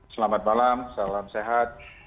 selamat malam salam sehat